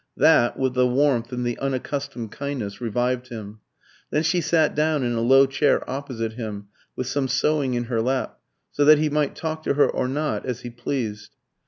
That, with the warmth and the unaccustomed kindness, revived him. Then she sat down in a low chair opposite him, with some sewing in her lap, so that he might talk to her or not, as he pleased.